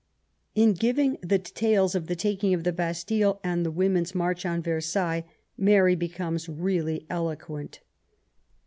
In giving the details of the taking of the Bastille, and the women's march on Versailles, Mary becomes really eloquent.